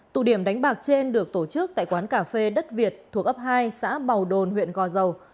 tụ điểm đánh bạc trên được tổ chức tại quán cà phê đất việt thuộc ấp hai xã bầu đồn huyện gò dầu